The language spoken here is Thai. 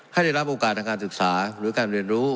ให้ได้รับโอกาสทางการศึกษาหรือการเรียนรู้